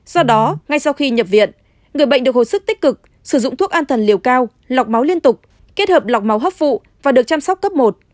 do đó ngay sau khi nhập viện người bệnh được hồi sức tích cực sử dụng thuốc an thần liều cao lọc máu liên tục kết hợp lọc máu hấp phụ và được chăm sóc cấp một